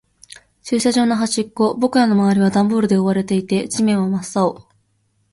駐車場の端っこ。僕らの周りはダンボールで囲われていて、地面は真っ青。